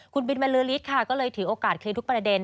คุณบินบรรลือฤทธิ์ค่ะก็เลยถือโอกาสเคลียร์ทุกประเด็น